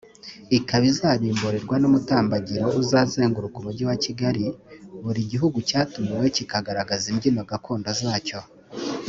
ikaba izabimburirwa n’umutambagiro uzazenguruka Umujyi wa Kigali buri gihugu cyatumiwe kigaragaza imbyino gakondo zacyo